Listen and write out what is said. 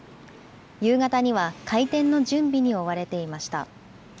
夕方には開店の準備に追われていました。